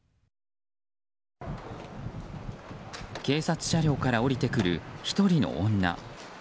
警察車両から降りてくる１人の女。